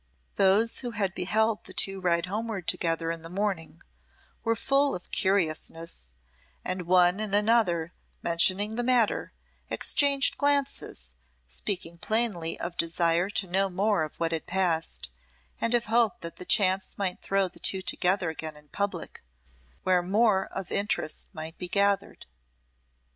Those who had beheld the two ride homeward together in the morning, were full of curiousness, and one and another, mentioning the matter, exchanged glances, speaking plainly of desire to know more of what had passed, and of hope that chance might throw the two together again in public, where more of interest might be gathered.